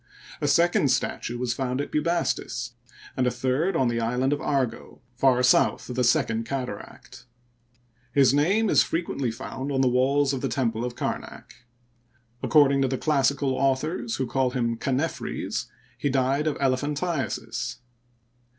A second statue was found at Bubastis, and a third on the island of Argo, far south of the Second Cataract. His name is frequently found on the walls of the temple of Kamak. According to the classical authors, who call him Chanephres, he died of elephantiasis.